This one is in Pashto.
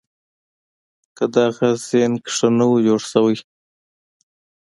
که دغه زېنک ښه نه وي جوړ شوي